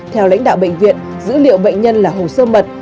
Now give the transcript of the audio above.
theo lãnh đạo bệnh viện dữ liệu bệnh nhân là hồ sơ mật